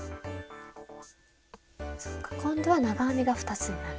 そっか今度は長編みが２つになるんだ。